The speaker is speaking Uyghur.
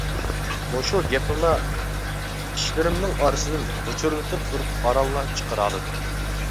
مۇشۇ گەپنىلا چىشلىرىمنىڭ ئارىسىدىن غۇچۇرلىتىپ تۇرۇپ ئارانلا چىقىرالىدىم.